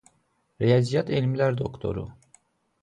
Riyaziyyat elmlər doktoru.